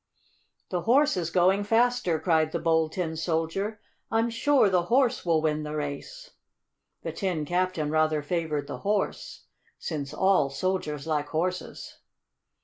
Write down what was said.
"The Horse is going faster!" cried the Bold Tin Soldier. "I'm sure the Horse will win the race!" The Tin Captain rather favored the Horse, since all soldiers like horses.